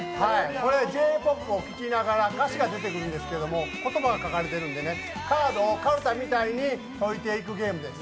これはＪ‐ＰＯＰを聴きながら歌詞が出てくるんですけど、言葉が書かれているのでかるたみたいに取っていくゲームです。